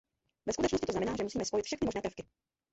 Ve skutečnosti to znamená, že musíme spojit všechny možné prvky.